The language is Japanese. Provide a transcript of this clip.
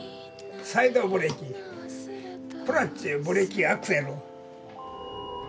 クラッチブレーキアクセル。